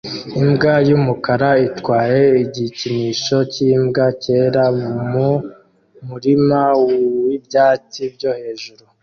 Imbwa y'umukara itwaye igikinisho cy'imbwa cyera mu murima w'ibyatsi byo hejuru